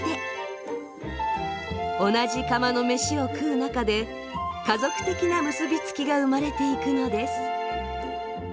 同じ釜の飯を食う中で家族的な結び付きが生まれていくのです。